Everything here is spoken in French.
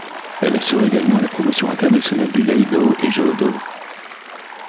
Elle assure également la promotion internationale du Iaidō et Jōdō.